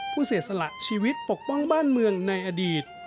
เสียสละชีวิตปกป้องบ้านเมืองในอดีต